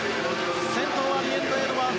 先頭はリエンド・エドワーズ。